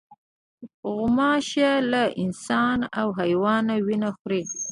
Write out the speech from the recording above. غوماشه له انسان او حیوانه وینه خوري.